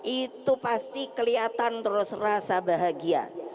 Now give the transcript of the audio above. itu pasti kelihatan terus rasa bahagia